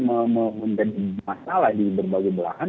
menjadi masalah di berbagai belahan